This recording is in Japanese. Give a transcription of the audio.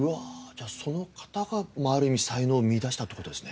じゃあその方がある意味才能を見いだしたって事ですね。